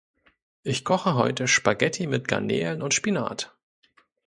Ich koche heute Spaghetti mit Garnelen und Spinat.